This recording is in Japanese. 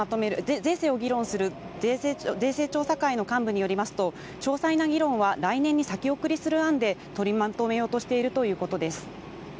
税制を議論する、税制調査会の幹部によりますと、詳細な議論は来年に先送りする案で取りまとめようとしているということです。